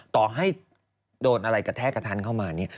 ต่อให้โดนอะไรกระแทกกระทันเข้ามาเนี่ย